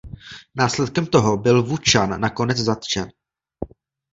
Následkem toho byl Wu Chan nakonec zatčen.